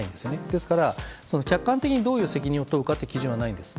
ですから客観的にどういう責任を取るかという基準はないんです。